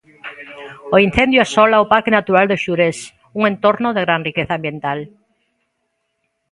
O incendio asola o parque natural do Xurés, un entorno de gran riqueza ambiental.